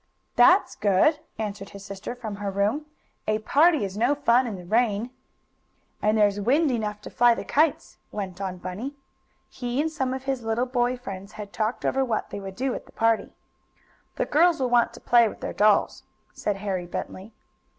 "That's good," answered his sister from her room. "A party is no fun in the rain." "And there's wind enough to fly the kites," went on Bunny. He and some of his little boy friends had talked over what they would do at the party. "The girls will want to play with their dolls," said Harry Bentley.